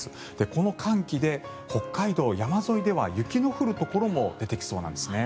この寒気で北海道、山沿いでは雪の降るところも出てきそうです。